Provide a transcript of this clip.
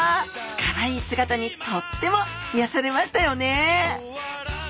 かわいい姿にとってもいやされましたよね？